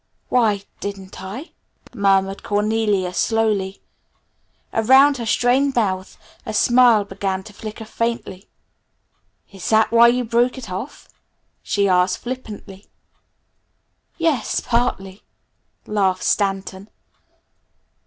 "Why, didn't I?" murmured Cornelia slowly. Around her strained mouth a smile began to flicker faintly. "Is that why you broke it off?" she asked flippantly. "Yes, partly," laughed Stanton.